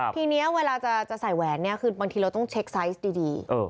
ทีนี้เวลาจะใส่แหวนเนี่ยคือบางทีเราต้องเช็คไซส์ดี